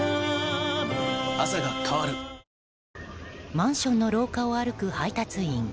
マンションの廊下を歩く配達員。